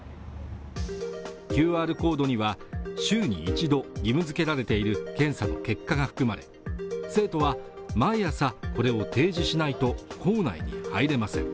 ＱＲコードには週に一度義務づけられている検査の結果が含まれ生徒は毎朝これを提示しないと校内に入れません